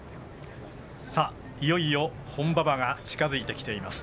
いよいよ本馬場が近づいてきています。